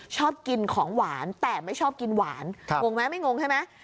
ชอบกินของหวานแต่ไม่ชอบกินหวานงงไหมไม่งงใช่ไหม